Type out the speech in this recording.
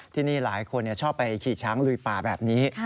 ที่นี่หลายคนชอบไปขี่ช้างลุยป่าแบบนี้